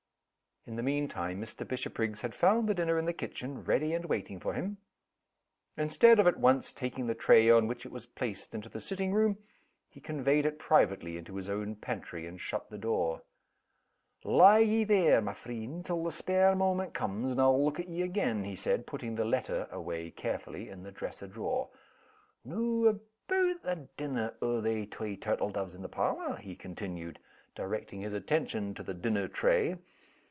In the mean time Mr. Bishopriggs had found the dinner in the kitchen, ready, and waiting for him. Instead of at once taking the tray on which it was placed into the sitting room, he conveyed it privately into his own pantry, and shut the door. "Lie ye there, my freend, till the spare moment comes and I'll look at ye again," he said, putting the letter away carefully in the dresser drawer. "Noo aboot the dinner o' they twa turtle doves in the parlor?" he continued, directing his attention to the dinner tray.